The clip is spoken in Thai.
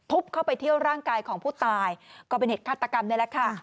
เข้าไปเที่ยวร่างกายของผู้ตายก็เป็นเหตุฆาตกรรมนี่แหละค่ะ